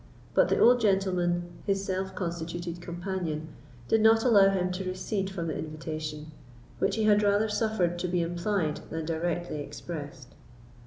But the old gentleman, his self constituted companion, did not allow him to recede from the invitation, which he had rather suffered to be implied than directly expressed.